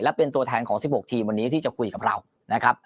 และเป็นตัวแทนของ๑๖ทีมวันนี้ที่จะคุยกับเรานะครับ